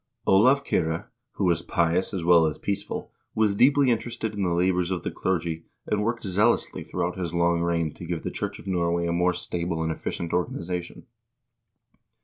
1 Olav Kyrre, who was pious as well as peaceful, was deeply inter ested in the labors of the clergy, and worked zealously throughout his long reign to give the Church of Norway a more stable and effi cient organization.